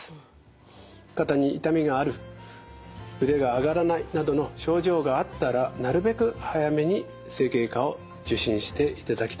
肩に痛みがある腕が上がらないなどの症状があったらなるべく早めに整形外科を受診していただきたいと思います。